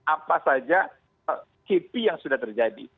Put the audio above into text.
apa saja kipi yang sudah terjadi